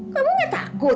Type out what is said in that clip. kamu gak takut